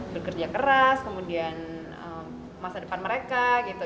bekerja keras kemudian masa depan mereka gitu